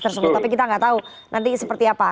tersebut tapi kita nggak tahu nanti seperti apa